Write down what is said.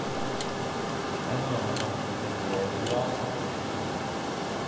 There are usually an odd number of judges to minimize tie battles.